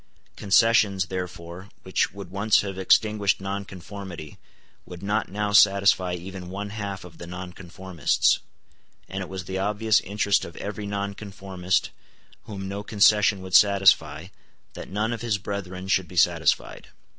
Concessions, therefore, which would once have extinguished nonconformity would not now satisfy even one half of the nonconformists; and it was the obvious interest of every nonconformist whom no concession would satisfy that none of his brethren should be satisfied.